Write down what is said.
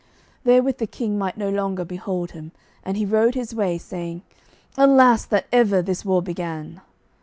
Therewith the King might no longer behold him, and he rode his way, saying, "Alas that ever this war began."